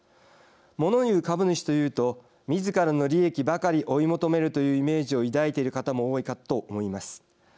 もの言う株主というとみずからの利益ばかり追い求めるというイメージを抱いている方も多いかと思います。